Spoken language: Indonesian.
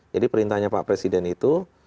jadi perintahnya pak presiden itu